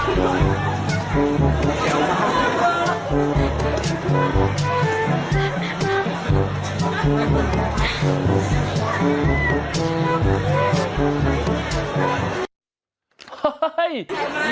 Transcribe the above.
สมัครพาวเอ็กซ์เอ้ย